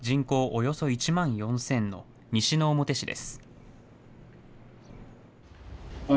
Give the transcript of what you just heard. およそ１万４０００の西之表市です。